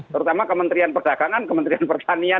terutama kementerian perdagangan kementerian pertanian